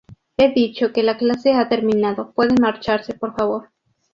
he dicho que la clase ha terminado. pueden marcharse, por favor.